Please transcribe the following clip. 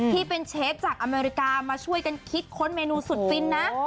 ที่เป็นเชฟจากอเมริกามาช่วยกันคิดค้นเมนูสุดฟินนะ